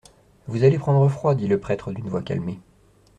Vous allez prendre froid, dit le prêtre d'une voix calmée.